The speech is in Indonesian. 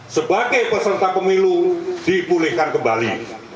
sebagai peserta pemilu dipulihkan kembali